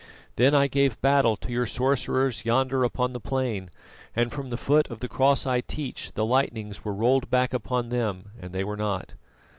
Then I gave battle to your sorcerers yonder upon the plain, and from the foot of the Cross I teach, the lightnings were rolled back upon them and they were not.